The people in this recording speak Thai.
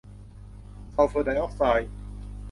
ซัลเฟอร์ไดออกไซด์